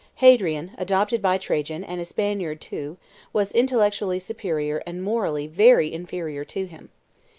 Hadrian, adopted by Trajan, and a Spaniard too, was intellectually superior and morally very inferior to him.